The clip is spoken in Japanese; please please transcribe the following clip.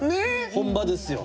本場ですよ。